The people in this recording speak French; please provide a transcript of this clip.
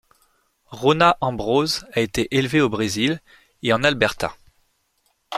Rona Ambrose a été élevée au Brésil et en Alberta.